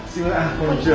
・こんにちは。